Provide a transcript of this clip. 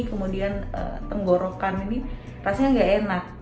kemudian tenggorokan ini rasanya nggak enak